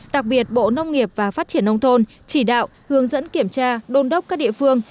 đặc biệt bộ nông nghiệp và phát triển nông thôn chỉ đạo hướng dẫn kiểm tra đôn đốc các địa phương